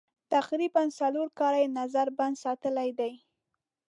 تقریباً څلور کاله یې نظر بند ساتلي دي.